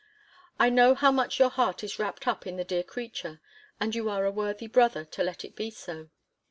I know how much your heart is wrapped up in the dear creature: and you are a worthy brother to let it be so!